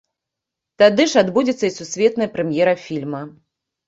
Тады ж адбудзецца і сусветная прэм'ера фільма.